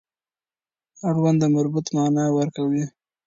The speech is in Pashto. اړوند د مربوط معنا ورکوي.